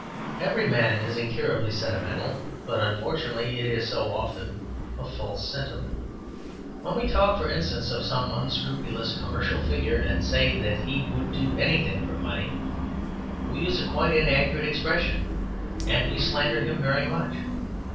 Every man is incurably sentimental; but, unfortunately, it is so often a false sentiment. When we talk, for instance, of some unscrupulous commercial figure, and say that he would do anything for money, we use quite an inaccurate expression, and we slander him very much.